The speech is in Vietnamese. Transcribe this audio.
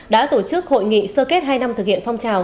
đã tổ chức hội nghị sơ kết hai năm thực hiện phong trào